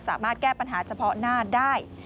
สามารถแก้ปัญหาเฉพาะหน้าได้